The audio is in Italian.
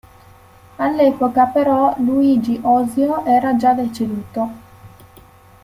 All'epoca, però, Luigi Osio era già deceduto.